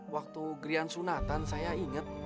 waktu grian sunatan saya ingat